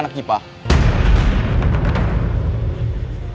nanti gue bakal menang